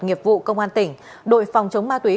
nghiệp vụ công an tỉnh đội phòng chống ma túy